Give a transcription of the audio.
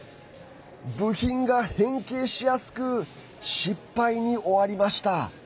部品が変形しやすく失敗に終わりました。